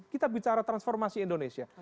kita bicara transformasi indonesia